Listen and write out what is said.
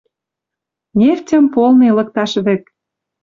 Нефтьӹм полный лыкташ вӹк.